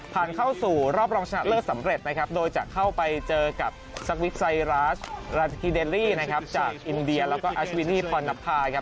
ผ่านเข้าสู่รอบรองชนะเลิศสำเร็จโดยจะเข้าไปเจอกับซักวิคไซราชราชกิเดลี่จากอินเดียและอาชวินี่พอร์นัพพา